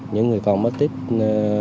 những người còn mất tích